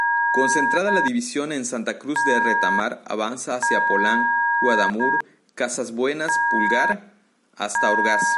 Concentrada la División en Santa Cruz de Retamar, avanza hacia Polán-Guadamur-Casas Buenas-Pulgar, hasta Orgaz.